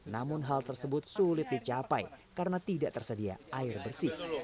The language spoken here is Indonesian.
namun hal tersebut sulit dicapai karena tidak tersedia air bersih